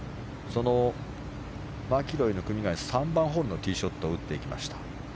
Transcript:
そのマキロイの組が３番ホールのティーショットを打っていきました。